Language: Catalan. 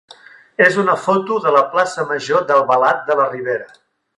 és una foto de la plaça major d'Albalat de la Ribera.